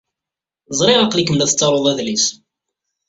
Ẓṛiɣ aql-ikem la tettaruḍ adlis.